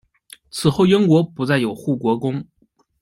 此后英国不再有护国公。